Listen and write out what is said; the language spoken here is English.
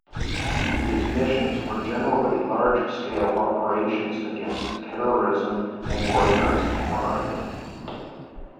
Its missions were generally large-scale operations against terrorism and organized crime.